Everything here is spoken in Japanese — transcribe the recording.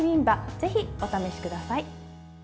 ぜひ、お試しください。